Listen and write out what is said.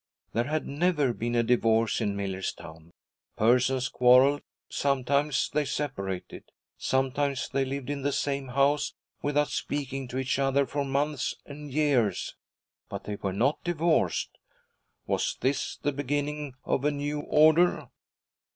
There had never been a divorce in Millerstown; persons quarreled, sometimes they separated, sometimes they lived in the same house without speaking to each other for months and years, but they were not divorced. Was this the beginning of a new order?